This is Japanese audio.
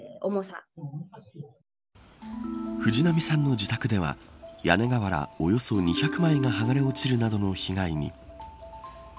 藤波さんの自宅では屋根瓦およそ２００枚が剥がれ落ちるなどの被害に。